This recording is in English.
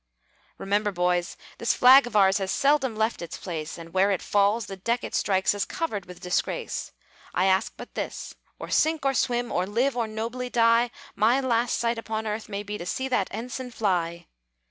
"Remember, boys, this flag of ours Has seldom left its place; And where it falls, the deck it strikes Is covered with disgrace. "I ask but this: or sink or swim, Or live or nobly die, My last sight upon earth may be To see that ensign fly!"